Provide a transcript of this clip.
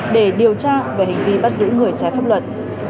để điều tra về hành vi bắt giữ người trái pháp luật